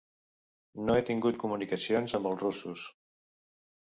No he tingut comunicacions amb els russos.